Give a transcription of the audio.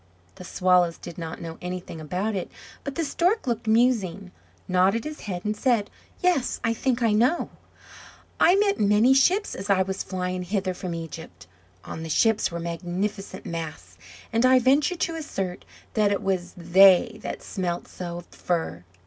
The Swallows did not know anything about it; but the Stork looked musing, nodded his head, and said: "Yes, I think I know; I met many ships as I was flying hither from Egypt; on the ships were magnificent masts, and I venture to assert that it was they that smelt so of fir.